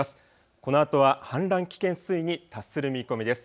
このあとは氾濫危険水位に達する見込みです。